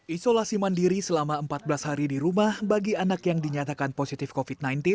isolasi mandiri selama empat belas hari di rumah bagi anak yang dinyatakan positif covid sembilan belas